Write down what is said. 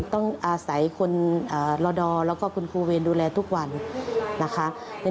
ต้องอาศัยคนละดอแล้วก็คุณครูเวรดูแลทุกวันนะคะ